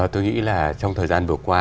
tôi nghĩ là trong thời gian vừa qua